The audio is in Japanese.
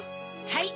はい。